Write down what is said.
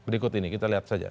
berikut ini kita lihat saja